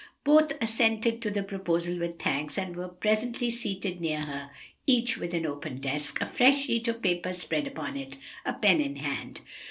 Both assented to the proposal with thanks, and were presently seated near her, each with open desk, a fresh sheet of paper spread out upon it, and pen in hand.